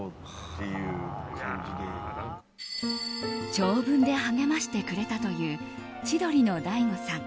長文で励ましてくれたという千鳥の大悟さん。